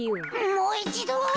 もういちど。